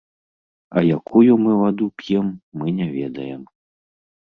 А якую мы ваду п'ем, мы не ведаем.